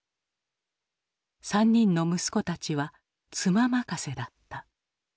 ３人の息子たちは妻任せだった。